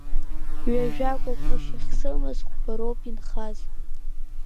Ҩажәа гәагәышь ахьсымаз хәба роуп инхаз.